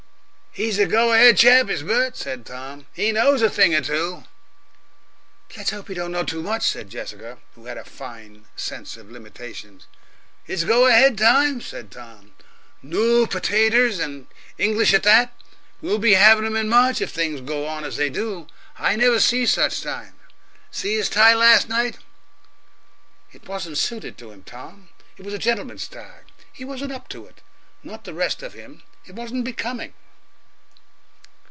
"He's a go ahead chap, is Bert," said Tom. "He knows a thing or two." "Let's hope he don't know too much," said Jessica, who had a fine sense of limitations. "It's go ahead Times," said Tom. "Noo petaters, and English at that; we'll be having 'em in March if things go on as they do go. I never see such Times. See his tie last night?" "It wasn't suited to him, Tom. It was a gentleman's tie. He wasn't up to it not the rest of him, It wasn't becoming"...